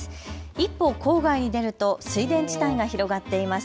一歩、郊外に出ると水田地帯が広がっています。